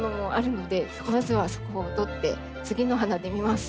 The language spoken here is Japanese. まずはそこを取って次の花で見ます。